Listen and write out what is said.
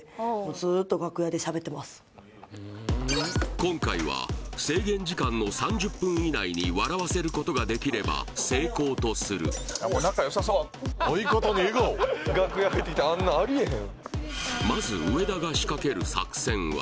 今回は制限時間の３０分以内に笑わせることができれば成功とする楽屋入ってきてあんなんありえへん